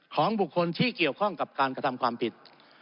ของบุคคลที่เกี่ยวข้องกับการกระทำความผิด